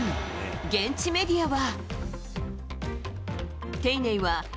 現地メディアは。